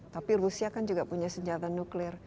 tapi rusia kan juga punya senjata nuklir